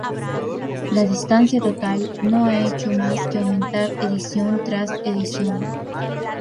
La distancia total no ha hecho más que aumentar edición tras edición.